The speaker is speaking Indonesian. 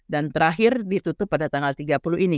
dan terakhir ditutup pada tanggal tiga puluh ini